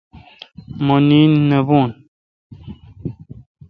مہ نیند نہ بوُن